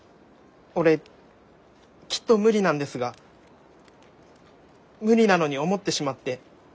俺きっと無理なんですが無理なのに思ってしまって。